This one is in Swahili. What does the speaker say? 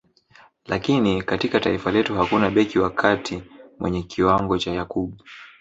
Lakini katika taifa letu hakuna beki wa kati mwenye kiwango cha Yakub